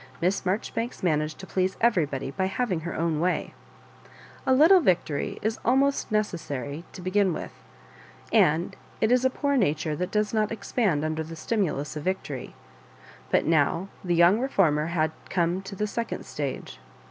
Miss Marjoribanks manag^ to please everybody by having her own way. A little victory is almost necessary to bo gin with, and it is a poor nature that does not expand under the wnoulus of victory ; but n9^ Digitized by VjOOQIC MISS MABJOBIBANE:a 43 the young reformer had oome to the second stage.